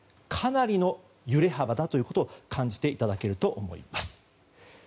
かなりの揺れ幅だということを感じていただけると思います。